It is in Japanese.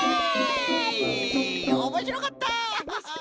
おもしろかった！